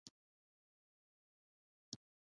باید خپل نفس تزکیه کړي.